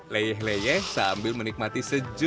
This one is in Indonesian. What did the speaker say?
leyeh leyeh sambil menikmati sejuk